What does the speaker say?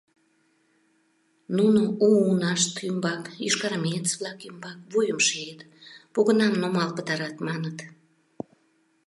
Нуно у унашт ӱмбак, йошкарармеец-влак ӱмбак, вуйым шийыт: погынам нумал пытарат, маныт.